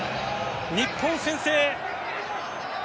日本、先制！